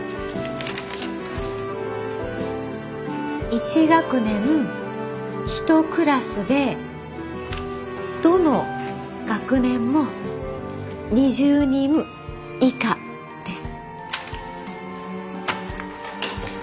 １学年１クラスでどの学年も２０人以下です。